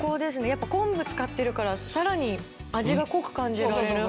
やっぱ昆布使ってるからさらに味が濃く感じられる。